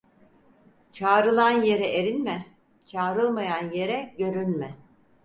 Çağrılan yere erinme, çağrılmayan yere görünme.